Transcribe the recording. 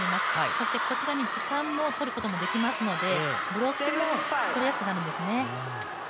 そしてこちらに時間も取ることもできますので、ブロックも取りやすくなるんですね。